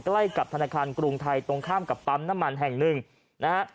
ใกล้กับธนาคารกรุงไทยตรงข้ามกับปั๊มน้ำมันแห่งหนึ่งนะฮะ